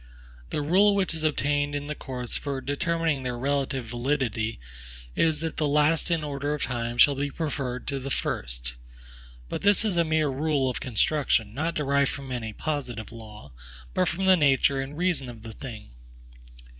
The rule which has obtained in the courts for determining their relative validity is, that the last in order of time shall be preferred to the first. But this is a mere rule of construction, not derived from any positive law, but from the nature and reason of the thing.